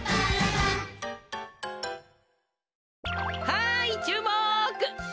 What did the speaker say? はいちゅうもく！